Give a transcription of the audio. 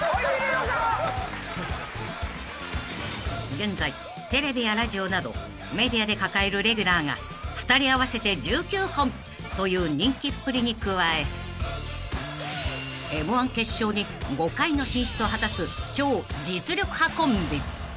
［現在テレビやラジオなどメディアで抱えるレギュラーが２人合わせて１９本という人気っぷりに加えＭ−１決勝に５回の進出を果たす超実力派コンビ］